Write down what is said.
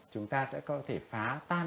chúng ta sẽ có thể phá tan